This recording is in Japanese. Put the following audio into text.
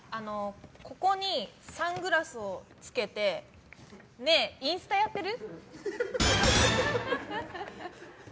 ここにサングラスをつけてねえ、インスタやってる？